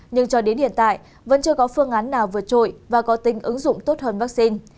nhưng cho đến hiện tại vẫn chưa có phương án nào vượt trội và có tính ứng dụng tốt hơn vaccine